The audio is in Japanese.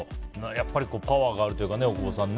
やっぱりパワーがあるというかね大久保さん。